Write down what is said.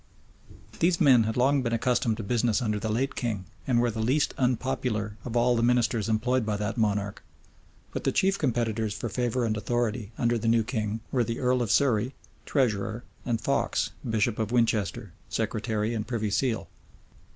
[*] These men had long been accustomed to business under the late king, and were the least unpopular of all the ministers employed by that monarch. But the chief competitors for favor and authority, under the new king, were the earl of Surrey, treasurer, and Fox, bishop of Winchester, secretary and privy seal.